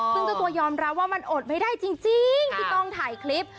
ซึ่งเจ้าตัวยอมรับว่ามันอดไม่ได้จริงที่ต้องถ่ายคลิป